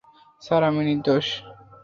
Sir, আমি নির্দোষ।